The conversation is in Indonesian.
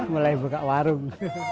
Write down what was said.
mulai buka warung